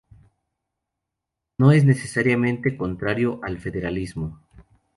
No es necesariamente contrario al federalismo.